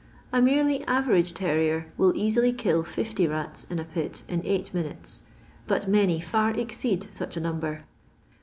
A merely average terrier will easily kill fifty rats in a pit in eight minutes, but many far exceed snch a number.